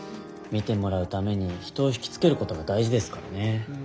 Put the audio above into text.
見てもらうために人を引きつけることが大事ですからね。